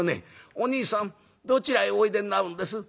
『おにいさんどちらへおいでになるんです？』